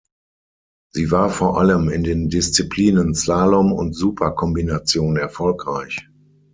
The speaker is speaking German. Sie war vor allem in den Disziplinen Slalom und Super-Kombination erfolgreich.